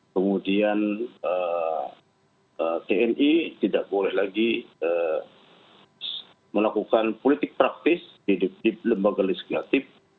kemudian tni tidak boleh lagi melakukan politik praktis di lembaga legislatif